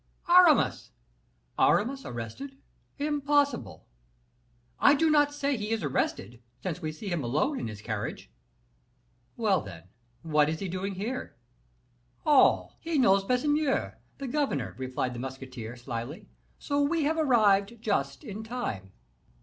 "Aramis." "Aramis arrested? Impossible!" "I do not say he is arrested, since we see him alone in his carriage." "Well, then, what is he doing here?" "Oh! he knows Baisemeaux, the governor," replied the musketeer, slyly; "so we have arrived just in time."